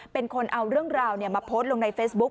เป็นคนเอาเรื่องราวมาโพสต์ลงในเฟซบุ๊ค